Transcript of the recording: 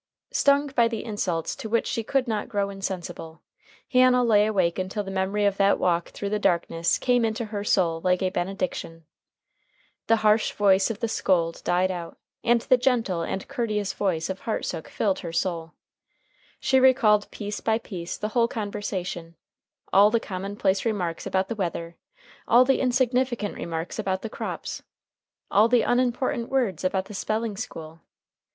Stung by the insults to which she could not grow insensible, Hannah lay awake until the memory of that walk through the darkness came into her soul like a benediction. The harsh voice of the scold died out, and the gentle and courteous voice of Hartsook filled her soul. She recalled piece by piece the whole conversation all the commonplace remarks about the weather; all the insignificant remarks about the crops; all the unimportant words about the spelling school.